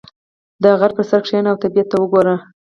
• د غره پر سر کښېنه او طبیعت ته وګوره.